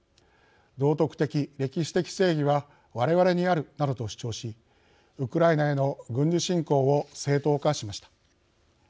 道徳的、歴史的正義はわれわれにある」などと主張しウクライナへの軍事侵攻を正当化しました。